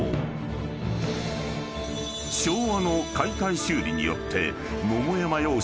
［昭和の解体修理によって］